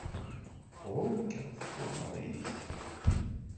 Ɣur-k ɣef uḍar-inek.